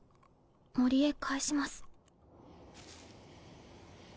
森へ返します。